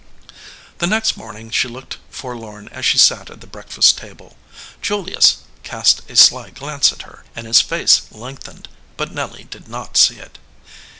The next morning she looked forlorn as she sat at the breakfast table. Julius cast a sly glance at her, and his face lengthened, but Nelly did not see it.